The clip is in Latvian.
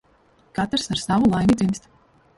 Katrs ar savu laimi dzimst.